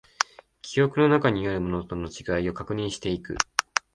記憶の中にあるものとの違いを確認していく